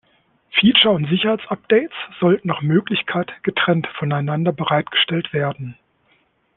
Feature- und Sicherheitsupdates sollten nach Möglichkeit getrennt voneinander bereitgestellt werden.